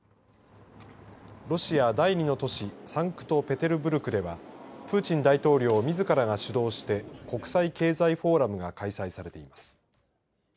ロシア第２の都市サンクトペテルブルクではプーチン大統領みずからが主導して国際経済フォーラムが開催されています。